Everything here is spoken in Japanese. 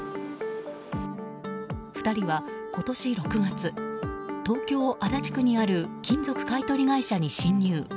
２人は今年６月東京・足立区にある金属買い取り会社に侵入。